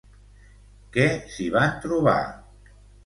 Què s'hi van trobar?